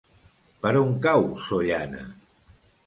Per on cau Sollana?